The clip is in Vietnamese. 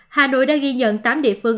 hà nội đã ghi nhận tám địa phương